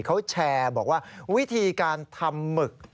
เขาแชร์บอกว่าวิธีการทำหมึก